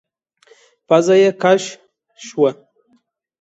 پزه يې کش شوه.